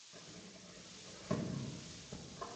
尚育是琉球国第二尚氏王朝的第十八代国王。